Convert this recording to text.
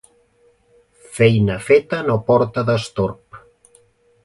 Feina feta no porta destorb